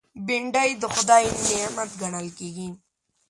بېنډۍ د خدای نعمت ګڼل کېږي